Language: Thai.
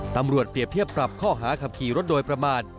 เปรียบเทียบปรับข้อหาขับขี่รถโดยประมาท